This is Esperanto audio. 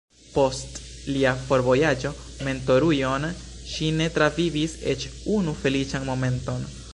Post lia forvojaĝo Mentorujon ŝi ne travivis eĉ unu feliĉan momenton.